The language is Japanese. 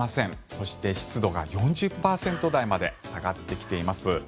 そして、湿度が４０％台まで下がってきています。